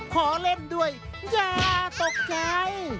ขอเล่นด้วยอย่าตกใจ